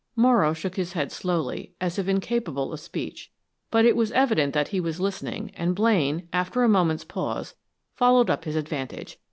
Morrow shook his head slowly, as if incapable of speech, but it was evident that he was listening, and Blaine, after a moment's pause, followed up his advantage.